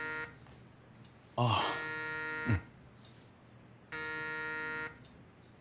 あぁうん。